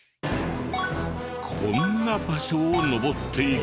こんな場所を登っていく。